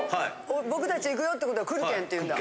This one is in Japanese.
僕たち行くよってことを来るけんって言うんだ。